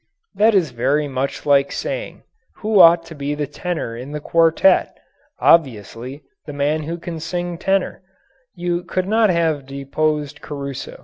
That is very much like asking: "Who ought to be the tenor in the quartet?" Obviously, the man who can sing tenor. You could not have deposed Caruso.